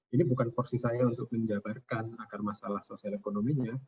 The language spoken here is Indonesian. ini bukan porsi saya untuk menjabarkan akar masalah sosial ekonominya